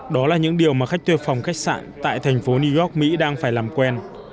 đó là những điều mà khách thuê phòng khách sạn tại thành phố new york mỹ đang phải làm quen